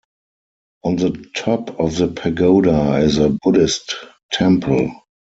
On the top of the pagoda is a Buddhist temple.